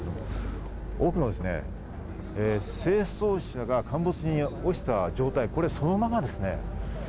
奥の清掃車が陥没に落ちた状態、そのままですね。